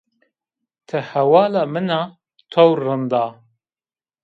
Ti hevala min a tewr rind a